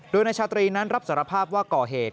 โดยนายชาตรีนั้นรับสารภาพว่าก่อเหตุ